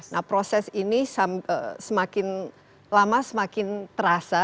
nah proses ini semakin lama semakin terasa